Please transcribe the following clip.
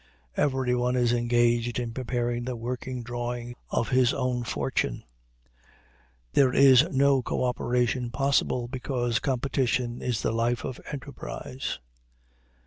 Everyone is engaged in preparing the working drawings of his own fortune. There is no co operation possible, because competition is the life of enterprise.